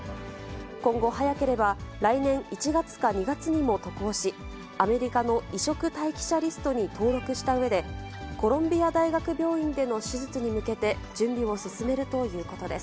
今後、早ければ来年１月か２月にも渡航し、アメリカの移植待機者リストに登録したうえで、コロンビア大学病院での手術に向けて、準備を進めるということです。